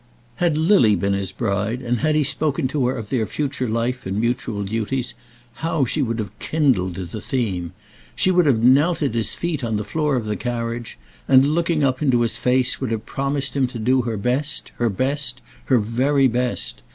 Had Lily been his bride, and had he spoken to her of their future life and mutual duties, how she would have kindled to the theme! She would have knelt at his feet on the floor of the carriage, and, looking up into his face, would have promised him to do her best, her best, her very best.